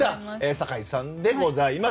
酒井さんでございます。